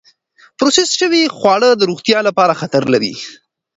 پروسس شوې خواړه د روغتیا لپاره خطر لري.